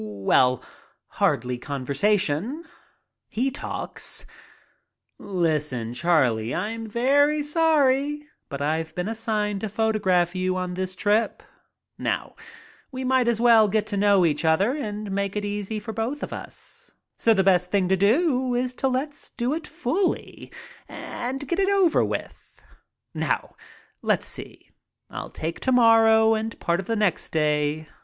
Well, hardly conversation. He talks. "Listen, Charlie, I am very sorry, but I've been assigned to photograph you on this trip. Now we might as well get to know each other and make it easy for both of us, so the best thing to do is to let's do it fully and get it over with. Now, let's see, I'll take to morrow and part of the next day.